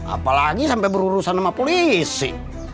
apalagi sampai berurusan sama polisi